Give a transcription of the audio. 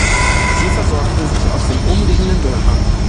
Sie versorgten sich aus den umliegenden Dörfern.